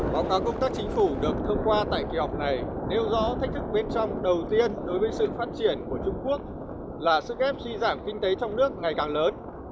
báo cáo công tác chính phủ được thông qua tại kỳ họp này nêu rõ thách thức bên trong đầu tiên đối với sự phát triển của trung quốc là sức ép suy giảm kinh tế trong nước ngày càng lớn